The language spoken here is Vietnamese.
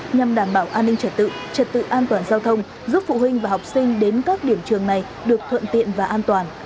nhằm đảm bảo an ninh trật tự trật tự an toàn giao thông giúp phụ huynh và học sinh đến các điểm trường này được thuận tiện và an toàn